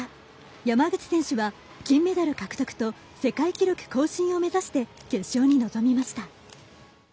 山口選手は金メダル獲得と世界記録更新を目指して決勝に臨みました。